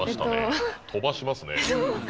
飛ばしますね。